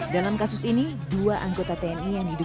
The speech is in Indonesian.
dalam kasus ini dua anggota tni yang hidup di jakarta utara